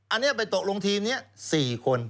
อันนี้ไปตกลงทีมนี้๔คน